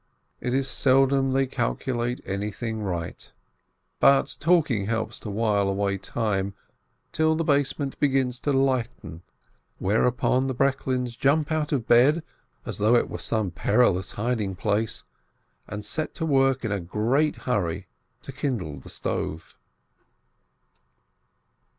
It is seldom they calculate anything right, but talk ing helps to while away time, till the basement begins to lighten, whereupon the Breklins jump out of bed, as though it were some perilous hiding place, and set to work in a great hurry to kindle the stove.